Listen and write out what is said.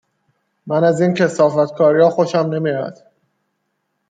من از این کثافت کاریا خوشم نمیاد